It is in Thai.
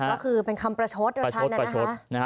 ก็คือเป็นคำประชดประชดประชดนะฮะนะฮะ